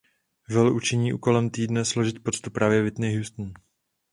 Will učiní úkolem týdne složit poctu právě Whitney Houston.